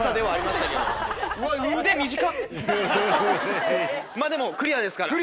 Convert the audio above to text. まぁでもクリアですから。